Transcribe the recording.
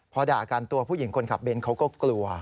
พอด่ากันตัวผู้หญิงคนขับเน้นเขาก็กลัว